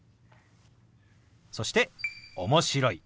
そして「面白い」。